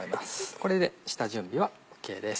これで下準備はＯＫです。